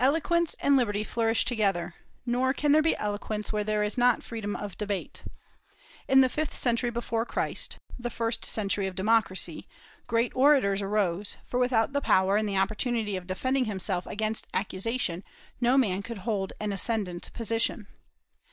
Eloquence and liberty flourish together; nor can there be eloquence where there is not freedom of debate. In the fifth century before Christ the first century of democracy great orators arose, for without the power and the opportunity of defending himself against accusation no man could hold an ascendent position.